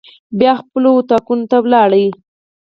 بیا خپلو اطاقونو ته ولاړو.